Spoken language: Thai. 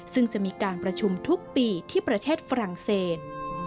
ซึ่งจะมีการประชุมทุกปีที่ประเทศฝรั่งเศส